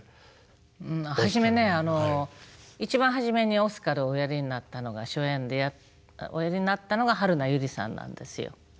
ん初めね一番初めにオスカルをおやりになったのが初演でおやりになったのが榛名由梨さんなんですよ。